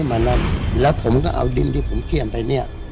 เอานั่นแล้วผมก็เอาดินที่ผมเข้มไปเนี่ย